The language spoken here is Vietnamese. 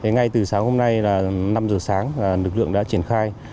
ngay từ sáng hôm nay là năm giờ sáng lực lượng đã triển khai